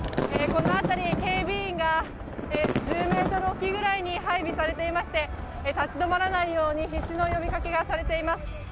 この辺り警備員が１０ｍおきぐらいに配備されていまして立ち止まらないように必死の呼びかけがされています。